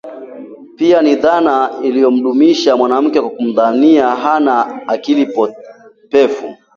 Pia ni dhana inayomdunisha mwanamke kwa kumdhania hana akili pevu